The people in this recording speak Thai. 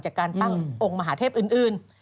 จากการตั้งองค์มหาเทพอื่น